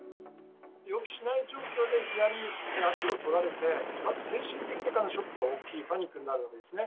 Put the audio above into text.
予期しない状況でいきなり足を取られて、まず精神的にショックが大きい、パニックになるわけですね。